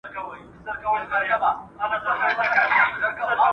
وارث مرغۍ راوړې ده.